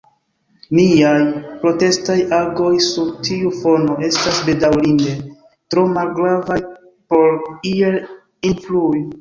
Niaj protestaj agoj sur tiu fono estas, bedaŭrinde, tro malgravaj por iel influi.